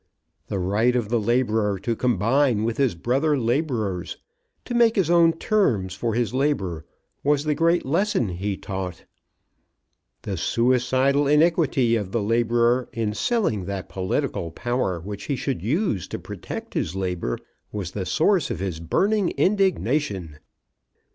The right of the labourer to combine with his brother labourers to make his own terms for his labour, was the great lesson he taught. The suicidal iniquity of the labourer in selling that political power which he should use to protect his labour was the source of his burning indignation.